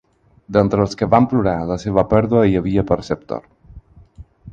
D'entre els que van plorar la seva pèrdua hi havia Perceptor.